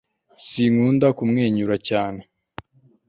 sinkunda kumwenyura cyane